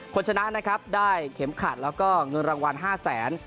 ชนะนะครับได้เข็มขัดแล้วก็เงินรางวัล๕แสน